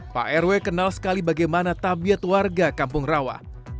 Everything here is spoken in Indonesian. pak rw kenal sekali bagaimana tabiat warga kampung rawa